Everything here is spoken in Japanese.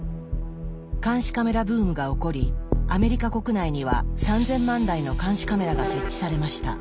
監視カメラブームが起こりアメリカ国内には３０００万台の監視カメラが設置されました。